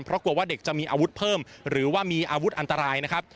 เพราะกลัวว่าเด็กจะมีอาวุธเพิ่มหรือว่ามีอาวุธอันตรายนะครับ